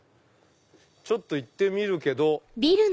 ちょっと行ってみるけど。